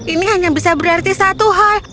ini hanya bisa berarti satu hal